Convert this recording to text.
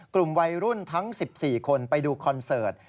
กลุ่มวัยรุ่นทั้ง๑๔คนไปดูคอนเสิร์ต